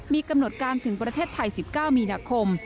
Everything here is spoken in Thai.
มีกำหนดการถึงประเทศไทย๑๙มีนาคม